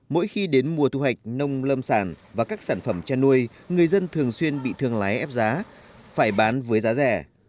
mỗi khi đến mùa thu hoạch nông lâm sản và các sản phẩm chăn nuôi người dân thường xuyên bị thương lái ép giá phải bán với giá rẻ